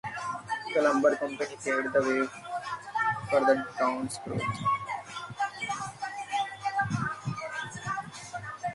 The lumber company paved the way for the town's growth.